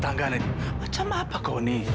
tanganan ini macam apa kau ini